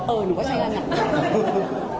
เอิ่มเราก็ใช้งานหน้า